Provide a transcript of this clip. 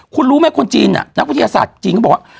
คุณรู้ไหมคนจีนน่ะนักปฏิษฐาจีนก็บอกว่า